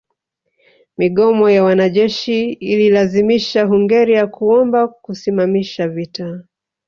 Migomo ya wanajeshi ililazimisha Hungaria kuomba kusimamisha vita